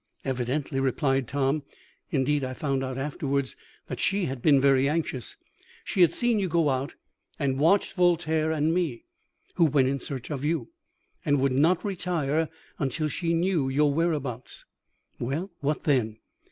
"Evidently," replied Tom. "Indeed, I found out afterwards that she had been very anxious. She had seen you go out, and watched Voltaire and me, who went in search of you, and would not retire until she knew your whereabouts." "Well, what then?"